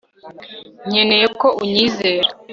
Nkeneye ko unyizera